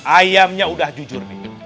ayamnya udah jujur nih